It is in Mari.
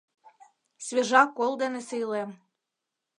Свежа кол дене сийлем.